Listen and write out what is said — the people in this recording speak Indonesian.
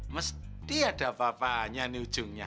mesti ada apa apanya di ujungnya